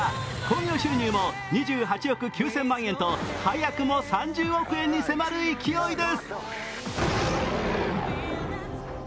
興行収入も２８億９０００万円と早くも３０億円に迫る勢いです。